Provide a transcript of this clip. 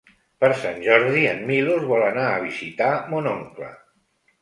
Per Sant Jordi en Milos vol anar a visitar mon oncle.